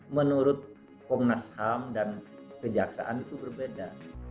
menurut komnas ham dan kejaksaan itu berbeda